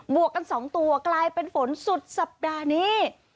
วกกัน๒ตัวกลายเป็นฝนสุดสัปดาห์นี้